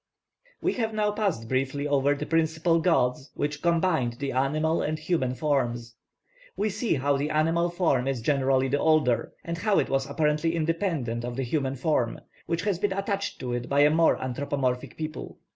We have now passed briefly over the principal gods which combined the animal and human forms. We see how the animal form is generally the older, and how it was apparently independent of the human form, which has been attached to it by a more anthropomorphic people.